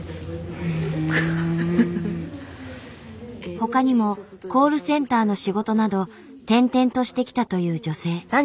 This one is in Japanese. ほかにもコールセンターの仕事など転々としてきたという女性。